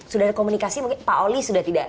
sudah ada komunikasi mungkin pak oli sudah tidak